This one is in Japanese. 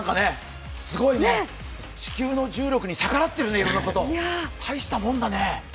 すごいね、地球の重力に逆らっているね、大したもんだね。